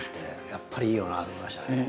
やっぱりいいよなと思いましたね。